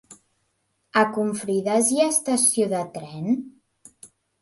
A Confrides hi ha estació de tren?